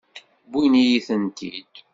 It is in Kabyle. Wwin-iyi-tent-id.